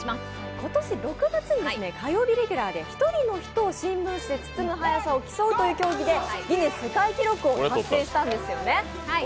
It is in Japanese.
今年６月に火曜日レギュラーで１人の人を新聞紙で包む速さでギネス世界記録を達成したんですよね。